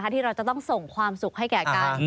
ที่เราจะต้องส่งความสุขให้แก่กัน